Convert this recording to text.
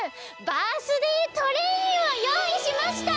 バースデートレインをよういしました！